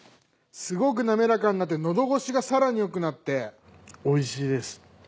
すごく滑らかになってのど越しが更によくなっておいしいです。